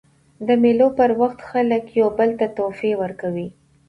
د مېلو پر وخت خلک یو بل ته تحفې ورکوي.